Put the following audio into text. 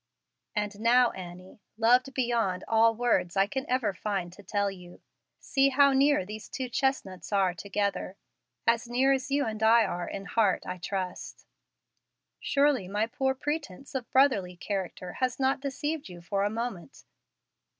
"And now, Annie, loved beyond all words I can ever find to tell you, see how near these two chestnuts are together as near as you and I are in heart, I trust. Surely my poor pretence of brotherly character has not deceived you for a moment.